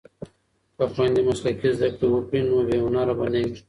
که خویندې مسلکي زده کړې وکړي نو بې هنره به نه وي.